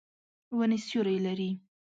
ونې سیوری لري.